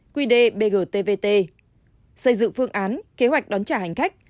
quy đề bgtvt xây dựng phương án kế hoạch đón trả hành khách